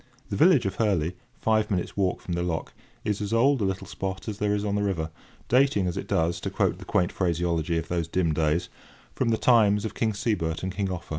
The village of Hurley, five minutes' walk from the lock, is as old a little spot as there is on the river, dating, as it does, to quote the quaint phraseology of those dim days, "from the times of King Sebert and King Offa."